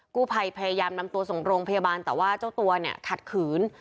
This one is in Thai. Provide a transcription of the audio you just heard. กู้ภัยพยายามนำตัวส่งโรงพยาบาลแต่ว่าเจ้าตัวเนี่ยขัดขืน